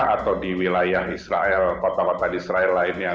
atau di wilayah israel kota kota israel lainnya